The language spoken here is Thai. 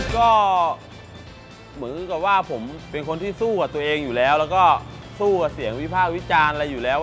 ก็เหมือนกับว่าผมเป็นคนที่สู้กับตัวเองอยู่แล้วแล้วก็สู้กับเสียงวิพากษ์วิจารณ์อะไรอยู่แล้ว